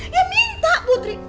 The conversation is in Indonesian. ya minta putri